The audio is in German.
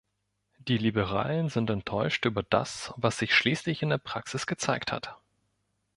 Die Liberalen sind enttäuscht über das, was sich schließlich in der Praxis gezeigt hat.